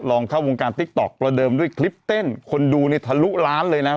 ลองเข้าวงการติ๊กต๊อกประเดิมด้วยคลิปเต้นคนดูเนี่ยทะลุล้านเลยนะครับ